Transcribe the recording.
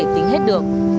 không thể tính hết được